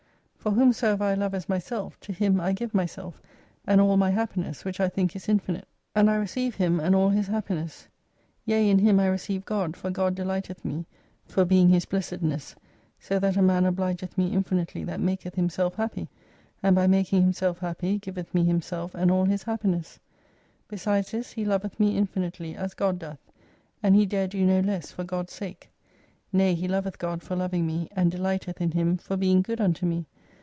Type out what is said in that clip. For whomsoever I love as myself, to him I give myself, and all my happiness, which I think is infinite : and I receive 252 him and all his happiness, Yea, in him I receive God, for God delighteth me for being his blessedness : so that a man obligeth me infinitely that maketh himself happy ; and by making himself happy, giveth me himself and all his happiness. Besides this he loveth me infinitely, as God doth ; and he dare do no less for God's sake. Nay he loveth God for loving me, and delighteth in Him for being good unto me.